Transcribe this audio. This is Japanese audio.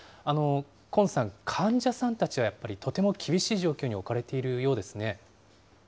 河野さん、患者さんたちはとても厳しい状況に置かれているようですね。